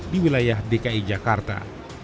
di wilayah dki jakarta